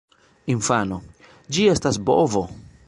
Infano: "Ĝi estas bovo!"